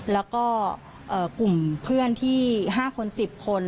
แล้วก็กลุ่มเพื่อนที่๕คน๑๐คน